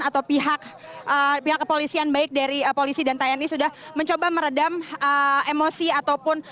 atau pihak kepolisian baik dari polisi dan tni sudah mencoba meredam emosi ataupun